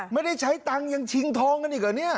ไม่ได้ใช้ตังค์ยังชิงทองกันอีกเหรอเนี่ย